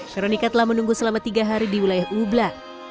veronica telah menunggu selama tiga hari di wilayah ubla